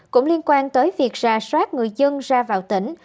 cũng liên quan tới việc ra soát người dân ra vào tỉnh